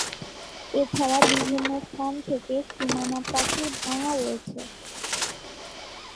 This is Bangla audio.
এছাড়া বিভিন্ন স্থান থেকে সীমানা-প্রাচীর ভাঙ্গা রয়েছে।